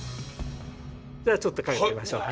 ではちょっとかけてみましょう。